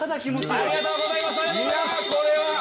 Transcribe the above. ありがとうございます。